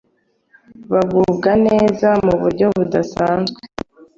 bagubwa neza mu buryo budasanzwe,